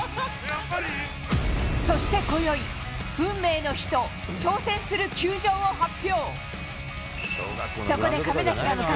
そしてこよい、運命の日と挑戦する球場を発表。